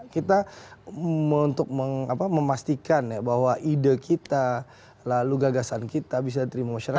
kita untuk memastikan bahwa ide kita lalu gagasan kita bisa diterima masyarakat